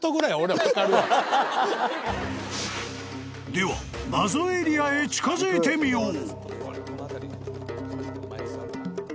［では謎エリアへ近づいてみよう］